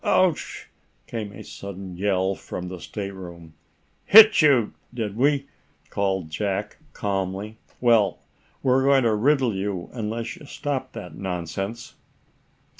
"Ouch!" came a sudden yell from the stateroom. "Hit you, did we?" called Jack, calmly. "Well, we're going to riddle you unless you stop that nonsense."